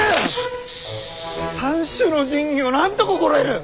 三種の神器を何と心得る！